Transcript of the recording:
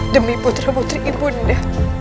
demi putra putri ibu nanda